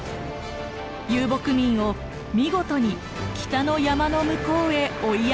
遊牧民を見事に北の山の向こうへ追いやりました。